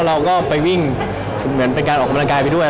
เราก็ไปวิ่งเหมือนเป็นการออกกำลังกายไปด้วย